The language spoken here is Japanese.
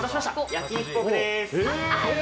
焼肉ポークです。